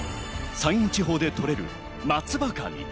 山陰地方で取れる松葉がに。